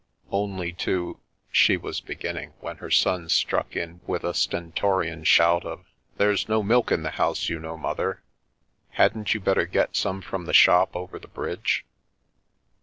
Only to " she was beginning, when her son struck in with a stentorian shout of :" There's no milk in the house, you know, mother. Hadn't you better get some from the shop over the bridge